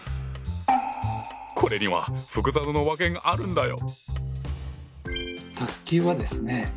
これには複雑な訳があるんだよ。